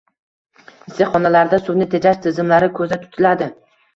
Issiqxonalarda suvni tejash tizimlari ko‘zda tutiladi